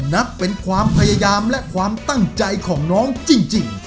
นับเป็นความพยายามและความตั้งใจของน้องจริง